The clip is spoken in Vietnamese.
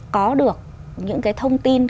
có được những cái thông tin